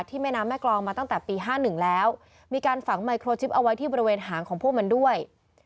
แม่น้ำแม่กรองมาตั้งแต่ปี๕๑แล้วมีการฝังไมโครชิปเอาไว้ที่บริเวณหางของพวกมันด้วย